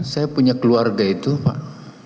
saya punya keluarga itu pak